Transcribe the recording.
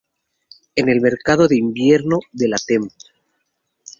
En el mercado de invierno de la temp.